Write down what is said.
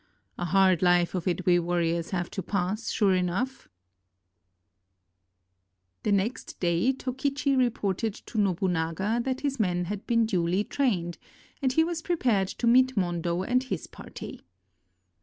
A hard life of it we warriors have to pass, sure enough!" The next day Tokichi reported to Nobunaga that his men had been duly trained, and he was prepared to meet 336 LONG SPEARS OR SHORT SPEARS Mondo and his party.